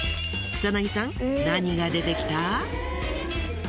草薙さん何が出てきた？